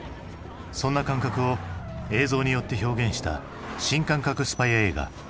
そんな感覚を映像によって表現した新感覚スパイ映画。